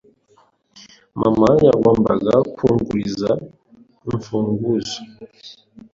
Mama yagombaga kunguriza imfunguzo.